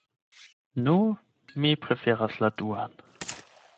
Nu, mi preferas la duan.